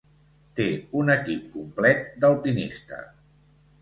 Té un equip complet d'alpinista.